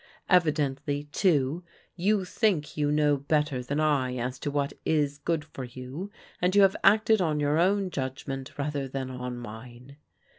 Evidently, too, you think you know better than I as to what is good for you, and you have acted on your own judgment rather than on mine.